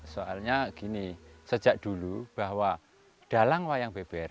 soalnya gini sejak dulu bahwa dalang wayang beber